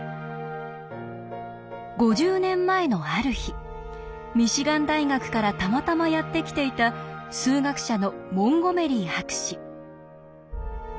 ５０年前のある日ミシガン大学からたまたまやって来ていた数学者のモンゴメリー博士。